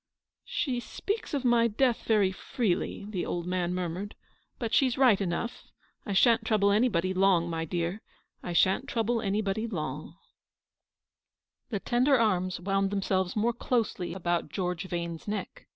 <l She speaks of my death very freely," the old man murmured, " but she's right enough. I shan't trouble anybody long, my dear; I shan't trouble anybody long." THE EXTKES0L IX THE HUE DE I/aECHEVEQEE. 31 The tender arms wound themselves more closely about George Vane's neck.